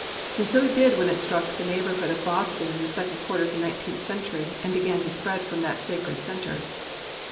And so it did when it struck the neighbourhood of Boston in the second quarter of the 19th Century, and began to spread from that sacred centre.